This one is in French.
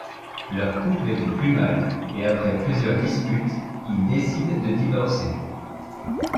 Leur couple est au plus mal, et après plusieurs disputes, ils décident de divorcer.